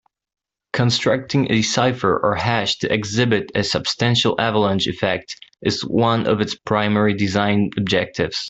Constructing a cipher or hash to exhibit a substantial avalanche effect is one of its primary design objectives.